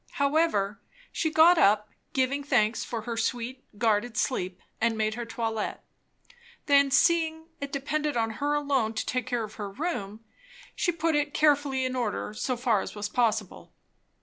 However, she got up, giving thanks for her sweet, guarded sleep, and made her toilet; then, seeing it depended on her alone to take care of her room, she put it carefully in order so far as was possible.